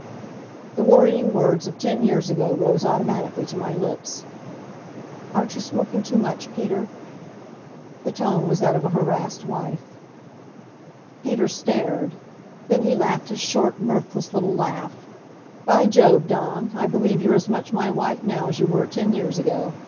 The worrying words of ten years ago rose automatically to my lips. "Aren't you smoking too much, Peter?" The tone was that of a harassed wife. Peter stared. Then he laughed his short, mirthless little laugh. "By Jove! Dawn, I believe you're as much my wife now as you were ten years ago.